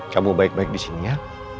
kamu baik baik di sini ya